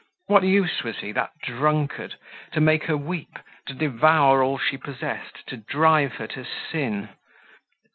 What use was he—that drunkard? To make her weep, to devour all she possessed, to drive her to sin.